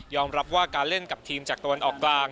รับว่าการเล่นกับทีมจากตะวันออกกลาง